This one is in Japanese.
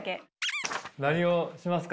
何をしますか？